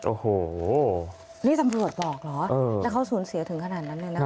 โอ้โหนี่ตำรวจบอกเหรอแล้วเขาสูญเสียถึงขนาดนั้นเลยนะคะ